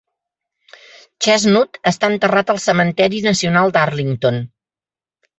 Chestnut està enterrat al cementeri nacional d'Arlington.